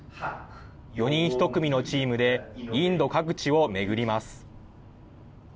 ４人１組のチームでインド各地を巡ります。